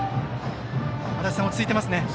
足達さん、落ち着いていますね。